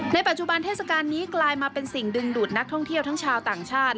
ปัจจุบันเทศกาลนี้กลายมาเป็นสิ่งดึงดูดนักท่องเที่ยวทั้งชาวต่างชาติ